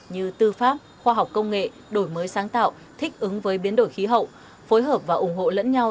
như tư pháp khoa học công nghệ đổi mới sáng tạo thích ứng với biến đổi khí hậu phối hợp và ủng hộ lẫn nhau